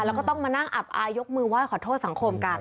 แล้วก็ต้องมานั่งอับอายยกมือไหว้ขอโทษสังคมกัน